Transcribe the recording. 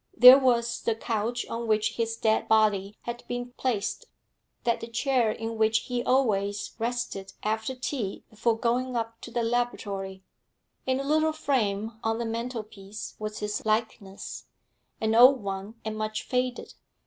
There was the couch on which his dead body had been placed; that the chair in which he always rested after tea before going up to the laboratory; in a little frame on the mantelpiece was his likeness, an old one and much faded.